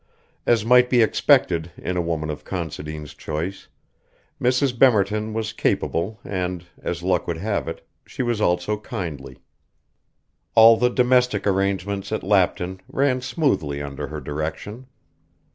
As might be expected in a woman of Considine's choice, Mrs. Bemerton was capable and, as luck would have it, she was also kindly. All the domestic arrangements at Lapton ran smoothly under her direction.